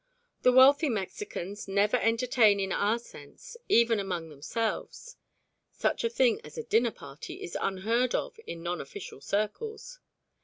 The wealthy Mexicans never entertain in our sense, even among themselves. Such a thing as a dinner party is unheard of in non official circles.